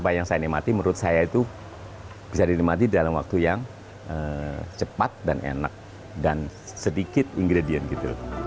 apa yang saya nikmati menurut saya itu bisa dinikmati dalam waktu yang cepat dan enak dan sedikit ingredient gitu